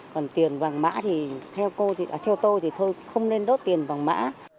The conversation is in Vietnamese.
còn tiền vàng mã thì theo tôi thì thôi không nên đốt tiền vàng mã